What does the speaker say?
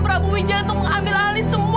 prabu wijaya untuk mengambil alih semua